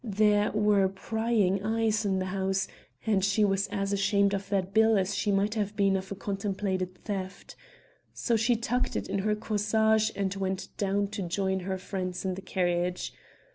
There were prying eyes in the house, and she was as ashamed of that bill as she might have been of a contemplated theft. So she tucked it in her corsage and went down to join her friends in the carriage.